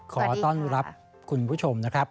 ขอต้อนรับคุณผู้ชมนะครับ